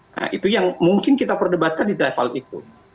nah itu yang mungkin kita perdebatkan di level itu